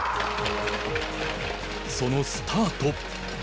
そのスタート。